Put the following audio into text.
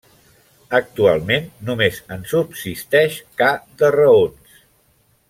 Actualment només en subsisteix ca de Raons.